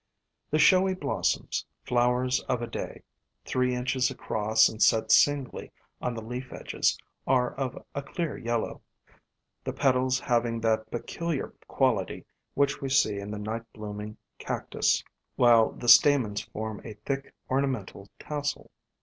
The showy blossoms, flow ers of a day, three inches across and set singly on the leaf edges, are of a clear yellow, the petals FLOWERS OF THE SUN 229 having that peculiar quality which we see in the Night blooming Cactus, while the stamens form a thick ornamental tassel.